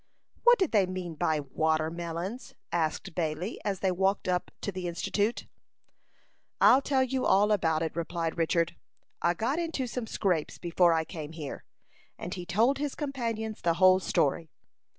"What did they mean by 'watermelons'?" asked Bailey, as they walked up to the Institute. "I'll tell you all about it;" replied Richard. "I got into some scrapes before I came here;" and he told his companions the whole story.